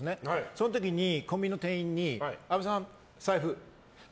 その時、コンビニの店員に阿部さん、財布って。